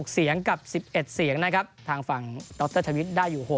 เสียงกับ๑๑เสียงนะครับทางฝั่งดรทวิทย์ได้อยู่๖